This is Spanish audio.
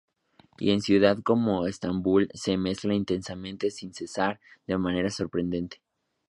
Y en una ciudad como Estambul se mezclan intensamente, sin cesar, de manera sorprendente".